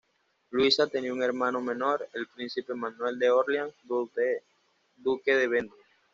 Luisa tenía un hermano menor, el príncipe Manuel de Orleans, duque de Vendôme.